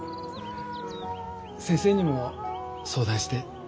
先生にも相談して。